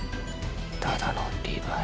ただのリヴァイ。